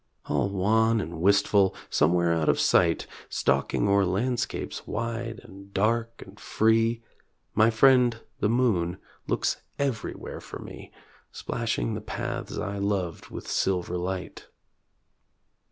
All wan and wistful, somewhere out of sight, Stalking o'er landscapes wide and dark and free, My friend, the moon, looks everywhere for me, Splashing the paths I loved with silver light.